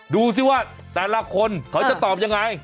ดูสิว่าแต่ละคนเขาจะตอบยังไง